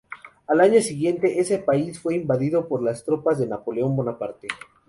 Al año siguiente, ese país fue invadido por las tropas de Napoleón Bonaparte.